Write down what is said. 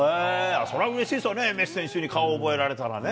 そりゃうれしいですよね、メッシ選手に顔を覚えられたらね。